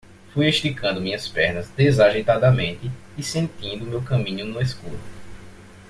Fui esticando minhas pernas desajeitadamente e sentindo meu caminho no escuro.